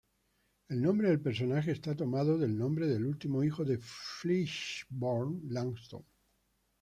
El nombre del personaje está tomado del nombre del último hijo de Fishburne, Langston.